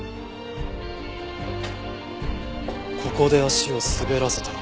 ここで足を滑らせたのか。